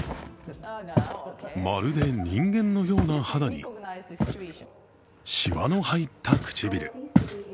まるで人間のような肌に、しわの入った唇。